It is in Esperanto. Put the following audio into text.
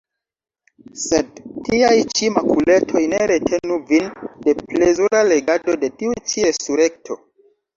Sed tiaj ĉi makuletoj ne retenu vin de plezura legado de tiu ĉi Resurekto!